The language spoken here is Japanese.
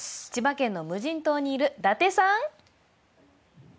千葉県の無人島にいる達さん。